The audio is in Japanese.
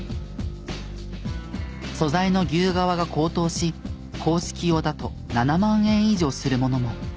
素材の牛革が高騰し硬式用だと７万円以上するものも。